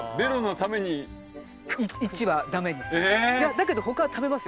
だけどほか食べますよ。